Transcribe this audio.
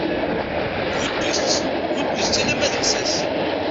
Huddet- tt, huddet- tt alamma d lsas!